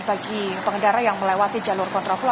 bagi pengendara yang melewati jalur kontra flow